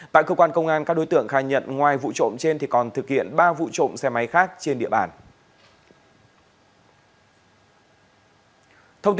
tại cơ quan công an các đối tượng khai nhận ngoài vụ trộm trên thì còn thực hiện ba vụ trộm xe máy khác trên địa bàn